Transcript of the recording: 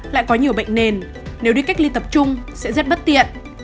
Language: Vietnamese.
lại có nhiều bệnh nền nếu đi cách ly tập trung sẽ rất bất tiện